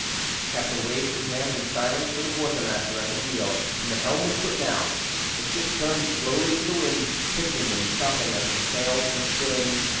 The captain waved his hand in silence to the quartermaster at the wheel, and the helm was put down. The ship turned slowly to the wind, pitching and chopping as the sails were spilling.